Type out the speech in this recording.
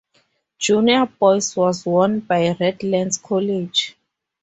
Junior boys was won by Redlands College.